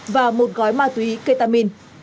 và một gói ma túy ketamin